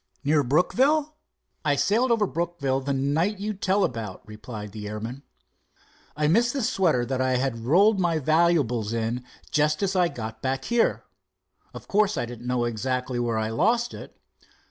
"Near Brookville?" "I sailed over Brookville the night you tell about," replied the airman. "I missed the sweater that I had rolled my valuables in just as I got back here. Of course I didn't know exactly where I lost it."